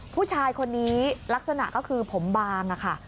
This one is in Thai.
ผู้ชายคนนี้ลักษณะก็คือผมบางค่ะ